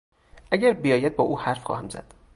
اگر بیاید با او حرف خواهم زد.